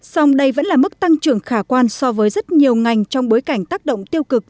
song đây vẫn là mức tăng trưởng khả quan so với rất nhiều ngành trong bối cảnh tác động tiêu cực